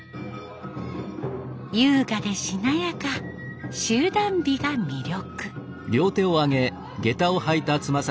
優雅でしなやか集団美が魅力。